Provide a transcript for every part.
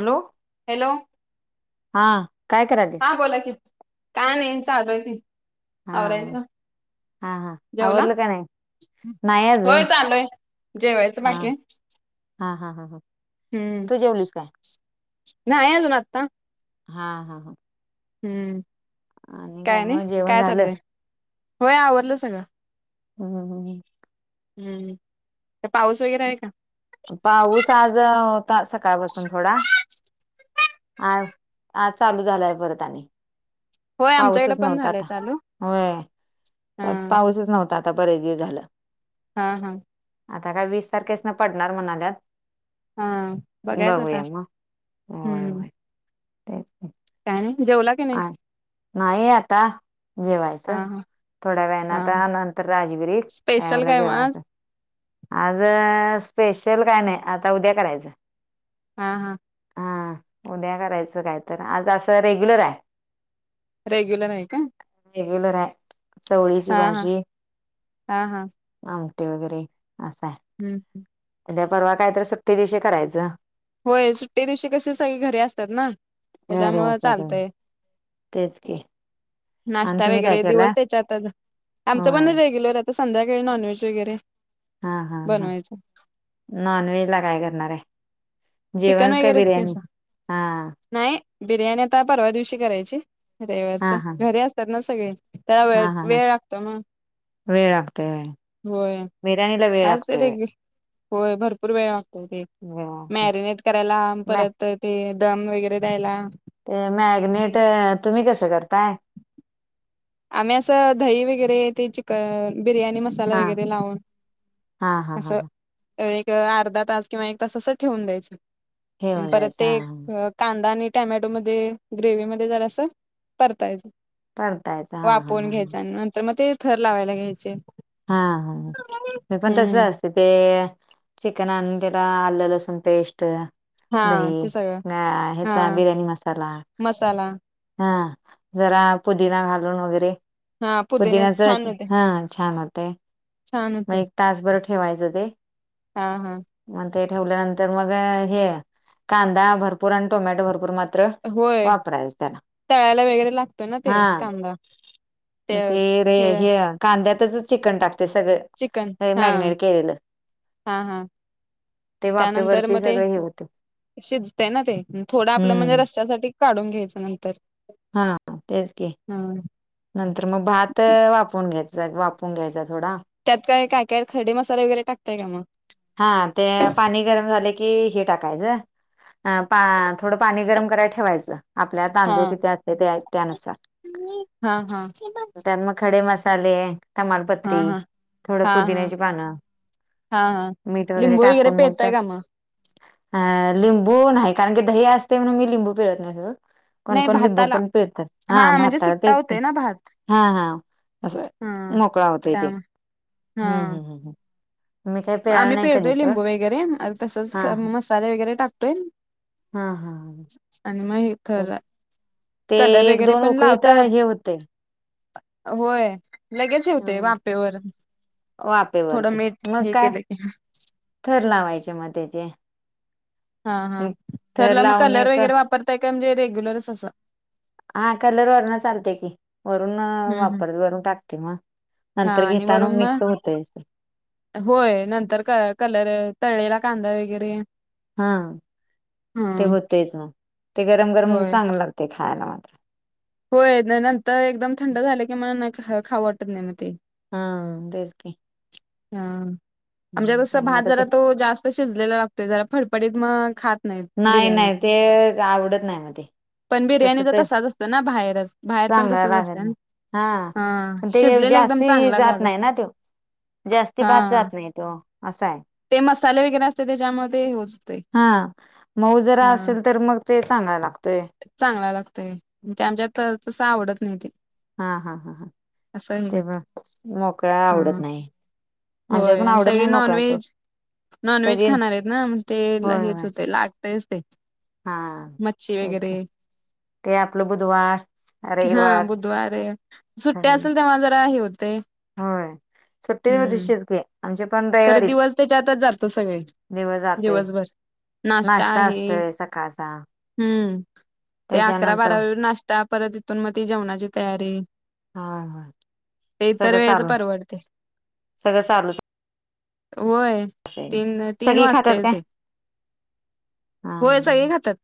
Hello hello हां, काय कराल्यास. हा बोला कि, काय नाही चालू आय की हा आवरायचं. हा हा जेवला. आवरलं का नाही नाही होय अजून चालूय जेवायचं हा बाकी आहे. हा हा हा हा. हम्म.. तू जेवलीस काय? नाही अजून आता. हा हा हा. हम्म.. काय आणि मग जेवण काय झालं चाललंय, होय आवरलं सगळ. हम्म हम. हम्म.. तर पाऊस वगैरे आहे का, पाऊस आज होता, सकाळपासून थोडा आ.. आज परत चालू झालंय परत आणि, होय आमच्याकडे पाऊसच पण नव्हता झालंय आता चालू व्हय हा पाऊसच नव्हता आता बरेच दिवस झालं. हा हा. आता काय वीस तारखेस न पडणार म्हणाल्यात. हा बघायचं आता बघूया मग व्हय हम्म व्हय तेच की. काय नाही जेवला की नाही आ नाही आता हा जेवायचं. हा थोड्या वेळानं हा आता हा नंतर राजवीर येईल स्पेशल त्यावेळेला काय मग आज जेवायचं. आज स्पेशल काय नाही आता उद्या करायचं. हा हा. हा उद्या करायचं काय तर आज असं रेग्युलर हाय. रेग्युलर आहे काय. रेग्युलर हाय चवळीची हा हा भाजी. हा हा आमटी वगैरे अस आहे हम् हम्. उद्या परवा काय तर सुट्टी दिवशी करायचं. व्हय सुट्टी दिवशी कशी सगळी घरी असतात ना घरी त्याच्यामुळ असता तुम्ही चालतय. तेच की आणि नाश्ता तुम्ही काय वगैरे केला दिवस त्याच्यातच आमचं पण होय रेग्युलर तर संध्याकाळी नॉनव्हेज वगैरे. हा हा हा बनवायचं नॉन व्हेज ला काय करणार आहे. चिकन जेवणच काय वगैरेच की बिर्याणी असं हा नाही बिर्याणी आता परवा दिवशी करायची रविवारच हा हा घरी असतात ना सगळे. त्या वेळ हा हा हा वेळ लागतो ना. वेळ लागतोय व्हय बिर्याणीला वेळ आज लागतोय व्हय. रेग्यु होय भरपूर वेळ वागतोय की वेळ लागतोय मॅरिनेट करायला नाही परत तर ते दम वगैरे द्यायला ते मॅग्नेट तुम्ही कसं करताय. आम्ही असं दही वगैरे ते चिकन बिर्याणी मसा मसाला हां, वगैरे लावून हां, हां, अस हां, हां. एक अर्धा तास किंवा एक तास असं ठेवून द्यायचं ठेवून परत द्यायचं ते हां, हां. अ कांदा आणि टामॅटोमध्ये ग्रेवीमध्ये जरा असं परतायचं. परतायचा. वाफुन घ्यायचा आणि नंतर मग ते थर लावायला घ्यायचे. हा हा मी पण हम्म तसच ते चिकन आणून तिला आलं लसूण पेस्ट हा दही ते सगळं आ ह्याचा हा बिर्याणी मसाला. मसाला हा जरा पुदिना घालून वगैरे. हा पुदिन्याच छान होते हा छान होतंय. छान मग होते एक तास भर ठेवायचं ते. हा हा. मग ते ठेवल्यानंतर मग हे कांदा भरपूर आणि टोमॅटो भरपूर मात्र व्हय वापरायचं त्याला. तळायला वगैरे लागतोय ना ते हां. कांदा ते रे हे कांद्यातच चिकन टाकते चिकन सगळं हा मॅगिनेट केलेलं हा हा. ते त्यानंतर वाफेवरती मग ते सगळे हे होते. शिजते ना ते थोडं आपलं म्हणजे हम्म रस्यासाठी. काढून घ्यायचं नंतर. हा तेचकी. हा नंतर मग भात वापून घ्यायचा वापून घ्यायचा थोडा त्यात काय काय काय खडे मसाला वगैरे टाकतय का मग हा ते पाणी गरम झाले की हे टाकायचं. अ पा थोडं पाणी गरम करायला ठेवायचं आपल्या हा तांदूळ किती असते ते त्यानुसार हा हा हा त्या मग खडे मसाले तमालपत्री हा थोडं हा हा पुदिन्याची पानं हा हा मीठ लिंबू वगैरे टाकून मग त्या पेहताय का म लिंबू नाही कारण की दही असते म्हणून मी लिंबू पिरत नाही स नाही कोणकण लिंबू भाताला पण पिळतस हा म्हणजे भाताला सुट्टा तेच की होतय ना भात हा हा. असं हा मोकळा होतो त्या इथे हा हम्म हम् हम्म्. आम्ही पिळतोय लिंबू वगरे हा तसच मसाले वगैरे टाकतोय. हा हा हा. आणि मग तर र. ते कलर एक वगैरे दोन पण उकळीत लावतात हे होते. होय. लगेच ठवते वापेवर वापेवररती मग काय की थर लावायचे मग त्याचे हा हा एक थर तरला मग लावून कलर एक वगैरे वापरताय का म्हणजे रेग्युलरच असं हा कलर वरण चालते की वरून हम्म हम्म वापर वरून टाकते मग हा नंतर आणि घेताना वरून मिक्स मग होतय होय नंतर कलर तळळेला कांदा वगैरे हा ते हा होतेच ना ते गरम गरम होय चांग लागते खायला मात्र होय नाही नंतर एकदम थंड झालं की मला खावटत नाही मग ते हा तेस क ह आमच्यास भात आता ते जरा तो जास्त शिजलेला लागतोय जरा फडफडीत मग खात नाही बिर्याणी नाही ते आवडत नाही मग ते पण बिर्याणीच तसच आता साध ना बाहेरच बाहेर पण चांगला तसच असते लागत नाही हा ते जास्ती चांगला जात लागत नाही ना तो जास्ती भात हा जात नाही नाही तो आा आहे ते मसाले वगैरे असते त्याच्यामध्ये हो हा मऊ जरा असेल तर मग ते सांगायला लागतय चांगला लागतय ते आमच्यात तर तस आवडत नाही ते हा हा हा हा असं हे तेव करत मोकळा हा. आवडत नाही आमच्याक पण आवडत नाही मोकळा्याच नॉन व्हेज खाणार आहेत ना मग ते होय हेच होय होते लागतेच ते हा मच्छी वगैरे एक ते आपलं बुधवार हा रविवार बुधवार सुट्टी असेल तेव्हा जरा आहे होते हो छट्टेषतक खरं दिवस त्याच्या आतच जातो सगळे दिवस जातोय दिवसभर नाश्ता आहे असतोय सकाळचा हम्म ते अकरा त्याच्यानंतर बारा वेळ नाश्ता परत इथून मग ती जेवणाची तयारी हा हा ते इतर सगळं वेळेच चालू परवडते. सगळं चालू होय तीन तीन सगळी वाजता खातात य काय ते हा होय सगळे खातात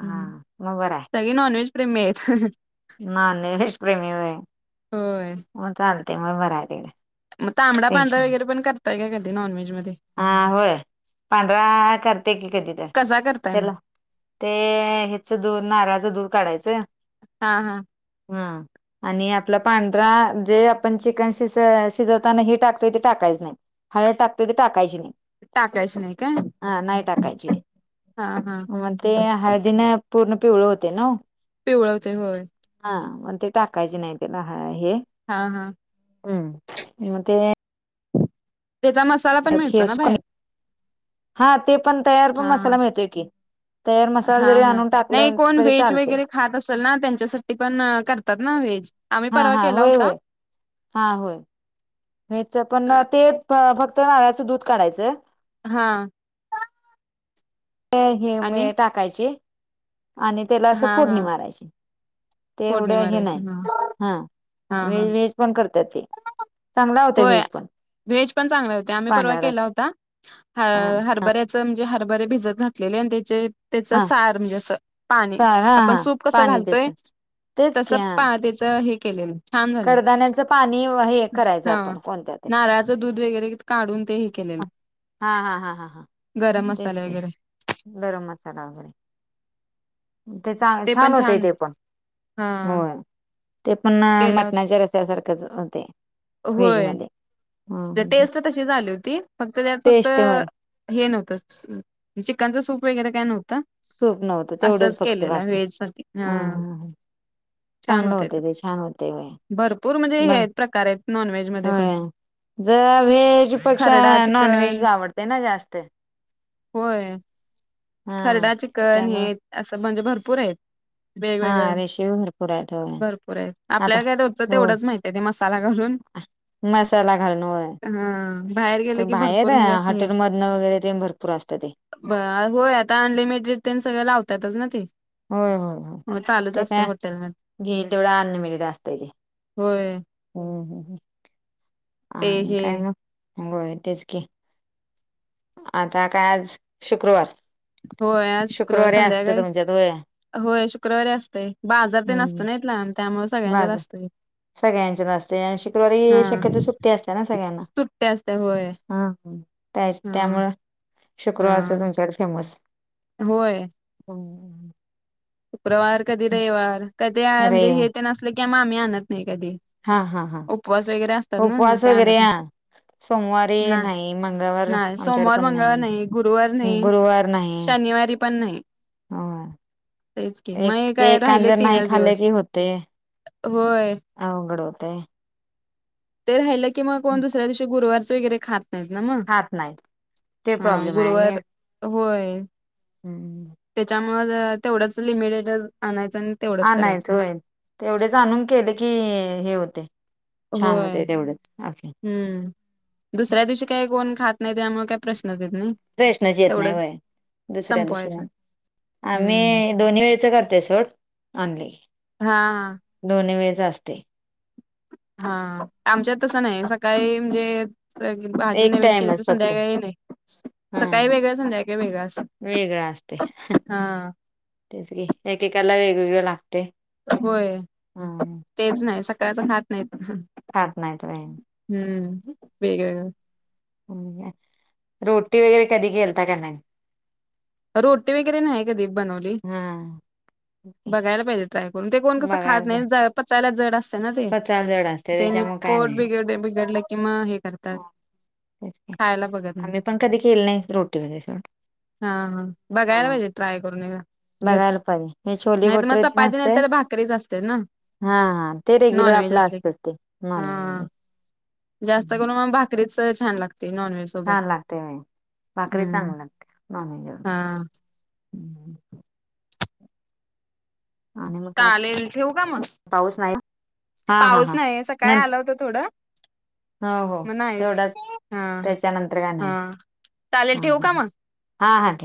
हा मग बरं आहे क नॉन व्हेज के मे आहेत ना नष्प्रेमी हो होय मग चालते मग भराय मग तांबडाांढरा वगैरे पण करताय का कधी नॉन व्हेज मध्ये हा होय पांढरा करते की कधी तर कसा करताय मग चला ते ह्याच दूर नारळाचं दूर काढायचं. हा हा हा आणि आपला पांढरा जे आपण चिकन शि शिजवताना टाकतोय ते टाकायच नाही हळद टाकतो तरी टाकायची नाही टाकायचं नाही काय? हां नाही टाकायची. हां हां. म ते हळदीने पूर्ण पिवळ होते ना वो. पिवळ ते होय. हां मग ते टाकायची नाही तिला ह हे हां हां. हम्म म ते त्याचा मसाला पण मिळतोय न बाहेर. हा ते पण तयार हा पण मसाला हा मिळतोय की. तयार मसाला हा जरी आणून टाकलं तरी चालते. चल ना त्यांच्यासाठी पण अ करतात ना व्हेज. आम्ही हां परवा हां केला होय होता होय हां होय व्हेज च पण अ, तेच प फक्त नारळाचं दूध काढायचं हां. ते हे आणि मिळे टाकायचे आणि त्याला असं हा फोडणी हा मारायची. ते फोडणी एवढं हे मारायची नाही हा हां हा हा व्हेज व्हेज पणं करतात ते. चांगला होता होय व्हेज पण व्हेज पण चांगले होते आम्ही परवा पांढरा केला रस्सा होता ह हा हरबरे च म्हजे हरभरे भिजत घातलेले आणि त्याचे त्याचा हा सार म्हणजे असं पाणी चार हा आपण हा सूप कसं पाणी त्याच घालतोय तेच तस पा त्याच हे केलेल कडदान्याच पाणी हे करायचं हा आपण कोणत्या ते नारळाचं दूध वगैरे काढून ते हे केलेलं हां हां हां हां हां गरम तेच मसाले तेच वगैरे ते गरम मसाला वगैरे. ते चांग छान होते ते पण हा होय. ते पण अ केला होता. मटणाच्या रससारखंच होतें व्हेज मध्ये ते टेस्ट तशी झाली होती फक्त त्यात फक्त टेस्ट हे नव्हतं सू चिकनचं सूप वगैरे काय नव्हतं. सूप नव्हतं तेवढंच असंच फक्त केलेलं आहे बाकी व्हेज सारखी हा हां हा. छान चांगलं होते ते छान होते होय भरपूर म्हणजे हे आहेत प्रकार आहेत नॉन व्हेज मध्ये पण. जरा व्हेज पेक्षा खरडा नॉन व्हेज चिकन आवडते ना जास्तं. होय हा खरडा चिकन त्यामुळं हे अंस म्हणजे भरपूर हायेत. हा वेगवेगळ रेषीपी भरपूर आहेत होय भरपूर आहेत, आता आपल्याला काय रोजच होय. तेवढंच माहीत त्या थे मसाला घालून हा बाहेर गेलं त की बाहेर भरपूर अ म्हणजे असं हॉटेलमधनं वगैरे ते भरपूर असतं ते. ब होय आता अनलिमिटेड तेन सगळे लावतातच ना ते. होय होय होय हो चालूच ते असते काय हॉटेलमध्ये घेईल तेवढं अनलिमिटेड असतय ते. होय. हम्म हम्म ते आणि हे काय मग आंघोळ न तेच की आता काय आज शुक्रवार होय आज शुक्रवार शुक्रवारी असतं संध्याकाळी तुमच्यात होय. होय शुक्रवारी असतय बाजार तेन हम्म असतोय ना ईथला, त्यामुळ सगळ्यांच्याच असतय की. सगळ्यांचे न असतंय आणि शुक्रवारी शक्यतो सुट्टी असते ना सगळ्यांना. ट्टी असत्या होय. हा ह त्याच हा त्यामुळं शुक्रवारचं हा तुमच्याकडे फेमस. होय. हो. शुक्रवार कधी रविवार कधी आळ म अरे जे हे ते असलय कि आम्ही आणत नाही कधी. हा हा हा उपवास वगैरे असतात ना मग उपवास ते वगैरे आणत ना हा. सोमवारी ना नाही मंगळवार नाय आमच्याकडे सोमवार पण मंगळवार नाही गुरुवार नाही गुरुवार नाही. शनिवार तरी पण नाही हो तेच की मग हे एक काय एक राहिले जर नाही तीनच खाले दिवस की होतय. होय अवघड होतय. ते राहिलं की मग कोण दुसऱ्या दिवशी गुरुवारच वगैरे खात- नाही ना मग खात नाही ते ह प्रॉब्लेम आहे आणि गुरुवार होय. हम्म त्याच्यामुळे तेवढच लिमिटेड आणायचं? हा तेवढंच आणायच करायचं. होय ते एवढे आणून केले की हे होते. छान होय होतय तेवढंच आपल हम्म दुसऱ्या दिवशी काही कोण खात नाही त्यामुळ काही प्रश्न येत नाही? प्रश्नच येत नाही वय तेवढंच दुसऱ्या दिवशी संपवायचा नाही हम्म आम्ही दोन्ही वेळच करतय सोड आणल की. हा हा दोनही वेळच असतय. हा आमच्यात तसं नाही सकाळी म्हणजे? भाजी एक नवीन केली तर टाइमच फक्त संध्याकाळी नाही हा सकाळी वेगळ संध्याकाळी वेगळ असं वेगळा हा एकेकाला वेगवेगळ लागतय. होय तेच नाही सकाळचा खात नाही. खात नाहीत होय. हम्म वेगवेगळ. रोटी वगैरे कधी केलता का नाही. रोटी वगैरे नाही कधी बनवली. हा बघायला पाहिजे ट्राय करून ते कोण कसं खात बघायला नाही. पचायला जड असते ना ते पचाल जड असते त्यानी त्याच्यामुळे पोट बिघ बिघडले कि म हो नाही. आम्ही पण कधी केलं नाही रोटी वैगेरे सोड. हा हा हा बघायला पाहिजे ट्राय करून एकदा. बघायला पाहिजे हे छोले नाही तर मग भटुरे तेन चपाती नाही असतय तर भाकरीच असते ना हा हा ते रेग्युलर नॉनव्हेज आपलं असले की असतच ते नॉनव्हेज हा. मध्ये. जास्त करून मग भाकरीच छान लागते नॉनव्हेज- सोबत छान लागते भाकरी हम्म चांगली लागते नॉनव्हेज. बरोबर हा हम्म. आणि मग काय चालेल ठेवु का मग पाऊस नाही हा हा पाऊस हा नाही सकाळी नंतर आलं होतं थोडं. हो हो मग नायच तेवढाच हा त्याच्यानंतर काय हा नाही चालेल हा ठेवू हा का मग. हा हां